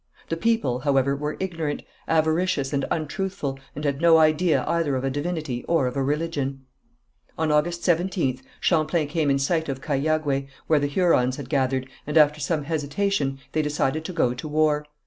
The people, however, were ignorant, avaricious and untruthful, and had no idea either of a divinity or of a religion. On August 17th, Champlain came in sight of Cahiagué, where the Hurons had gathered, and after some hesitation, they decided to go to war.